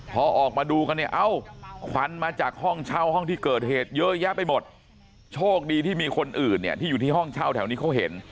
พอออกมาดูกันเนี่ยเอ้าควันมาจากห้องเช่าห้องที่เกิดเหตุเยอะแยะไปหมดโชคดีที่มีคนอื่นเนี่ยที่อยู่ที่ห้องเช่าแถวนี้เขาเห็น